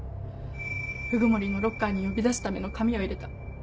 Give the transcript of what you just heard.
鵜久森のロッカーに呼び出すための紙を入れた。